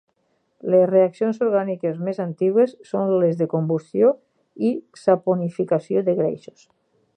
Les reaccions orgàniques més antigues són les de combustió i saponificació de greixos.